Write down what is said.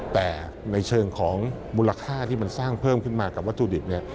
แต่ในเชิงของมูลค่าที่มันสร้างเพิ่มขึ้นมากับวัตถุดิบเนี่ย